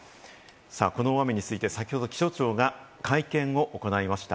この大雨について先ほど気象庁が会見を行いました。